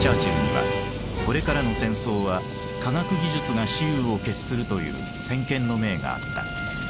チャーチルにはこれからの戦争は科学技術が雌雄を決するという先見の明があった。